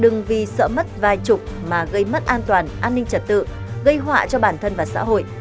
đừng vì sợ mất vài chục mà gây mất an toàn an ninh trật tự gây họa cho bản thân và xã hội